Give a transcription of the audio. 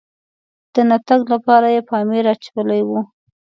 د نه تګ لپاره یې پامپر اچولی و.